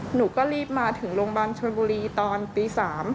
หนูก็รีบมาถึงโรงพยาบาลชนบุรีตอนตี๓